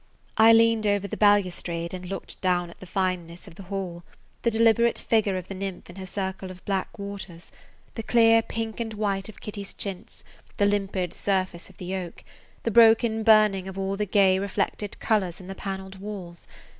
I leaned over the balustrade and looked down at the fineness of the hall: the deliberate figure of the nymph in her circle of black waters, the clear pink and white of Kitty's chintz, the limpid surface of the oak, the broken burning of all the gay reflected colors in the paneled walls.